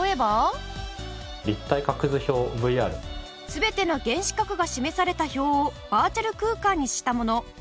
全ての原子核が示された表をバーチャル空間にしたもの。